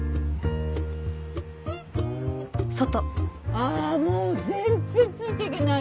あもう全然ついていけないよ！